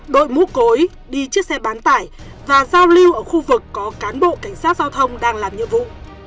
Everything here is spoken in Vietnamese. đội mũ cối đi chiếc xe bán tải và giao lưu ở khu vực có cán bộ cảnh sát giao thông đang làm nhiệm vụ